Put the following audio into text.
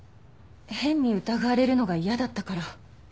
変に疑われるのが嫌だったから。